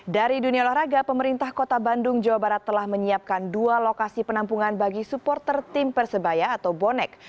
dari dunia olahraga pemerintah kota bandung jawa barat telah menyiapkan dua lokasi penampungan bagi supporter tim persebaya atau bonek